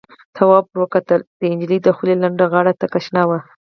تواب ور وکتل، د نجلۍ دخولې لنده غاړه تکه شنه وه.